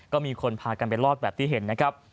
ก็มีคนพากันไปลอดแบบที่เห็นนะครับ